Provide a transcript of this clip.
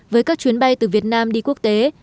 với các chuyến bay từ việt nam đi quốc tế